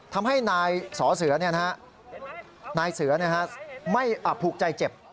ทำให้นายเสือไม่อภูกใจเจ็บ